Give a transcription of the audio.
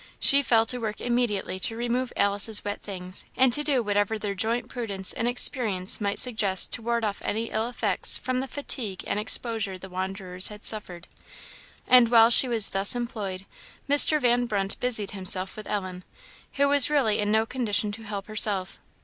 She fell to work immediately to remove Alice's wet things, and to do whatever their joint prudence and experience might suggest to ward off any ill effects from the fatigue and exposure the wanderers had suffered; and while she was thus employed, Mr. Van Brunt busied himself with Ellen, who was really in no condition to help herself.